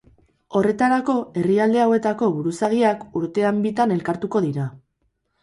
Horretarako, herrialde hauetako buruzagiak, urtean bitan elkartuko dira.